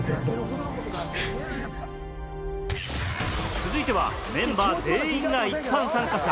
続いてはメンバー全員が一般参加者。